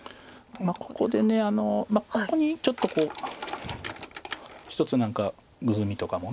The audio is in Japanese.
ここでここにちょっとこう一つ何かグズミとかも。